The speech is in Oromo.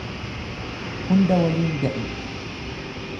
Hunda waliin ga'e